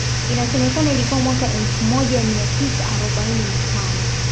Inasemekana ilikuwa mwaka wa elfu moja mia tisa arobaini na tano